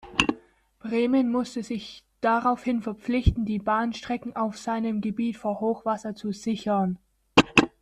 Bremen musste sich daraufhin verpflichten, die Bahnstrecken auf seinem Gebiet vor Hochwasser zu sichern.